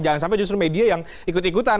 jangan sampai justru media yang ikut ikutan